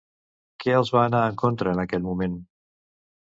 Què els va anar en contra en aquell moment?